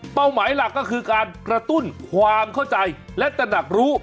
หมายหลักก็คือการกระตุ้นความเข้าใจและตระหนักรู้